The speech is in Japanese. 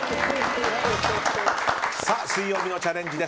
水曜日のチャレンジです。